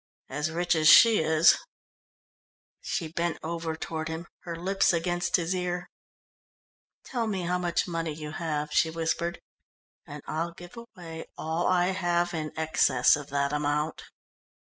"As rich as she is." She bent over toward him, her lips against his ear. "Tell me how much money you have," she whispered, "and I'll give away all I have in excess of that amount."